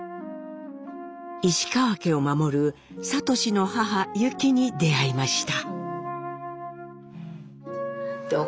石川家を守る智の母ユキに出会いました。